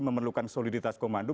memerlukan soliditas komando